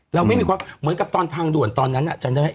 เราไม่มีความเหมือนกับตอนทางด่วนตอนนั้นจำได้ไหม